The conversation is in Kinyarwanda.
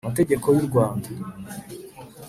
amategeko y u rwanda